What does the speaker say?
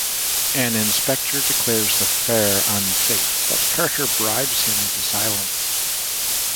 An inspector declares the fair unsafe but Carter bribes him into silence.